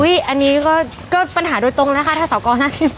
อุ้ยอันนี้ก็ปัญหาโดยตรงแล้วนะคะถ้าสาวกรหน้าทิ้ง